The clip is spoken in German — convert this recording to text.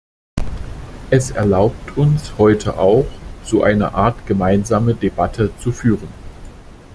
Es erlaubt uns heute auch, so eine Art gemeinsame Debatte zu führen.